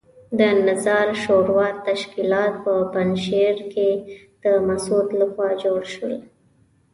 د نظار شورا تشکیلات په پنجشیر کې د مسعود لخوا جوړ شول.